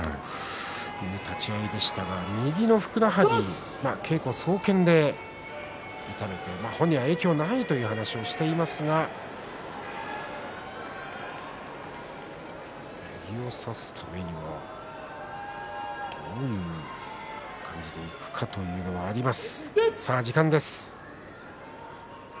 そういう立ち合いでしたが右のふくらはぎ、稽古総見で痛めて本人は影響がないという話をしていますが右を差すためにはどういう感じでいくかということがあります。